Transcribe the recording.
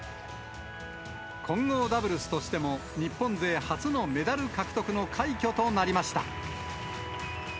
混合ダブルスとしても、日本勢初のメダル獲得の快挙となりました。